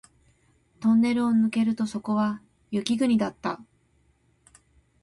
トンネルを抜けるとそこは雪国だった